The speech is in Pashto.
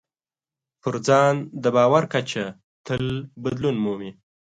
په ځان د باور کچه تل بدلون مومي.